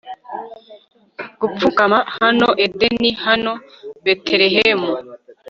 gupfukama. hano edeni, hano betelehemu